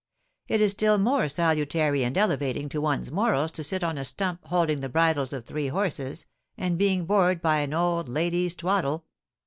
It is still more salutary and elevating to one's morals to sit on a stump holding the bridles of three horses and being bored by an old lady's twaddle.